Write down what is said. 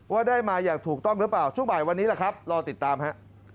ว่าได้มาอย่างถูกต้องหรือเปล่าช่วงบ่ายวันนี้แหละครับรอติดตามฮะ